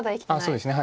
そうですね。